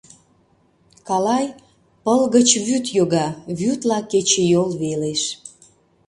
Калай «пыл» гыч вӱд йога, вӱдла кечыйол велеш.